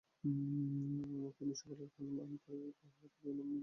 তিনি সকলের সঙ্গে আসনপিঁড়ি হইয়া বসিতেন, আর একটি বাটিতে রুটি ডুবাইয়া উহা খাইতেন।